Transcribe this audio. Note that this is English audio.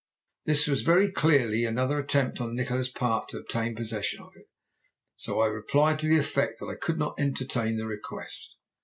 This was very clearly another attempt on Nikola's part to obtain possession of it, so I replied to the effect that I could not entertain the request.